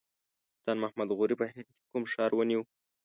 سلطان محمد غوري په هند کې کوم ښار ونیو.